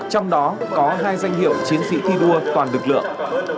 trong đó có hai danh hiệu chiến sĩ thi đua toàn lực lượng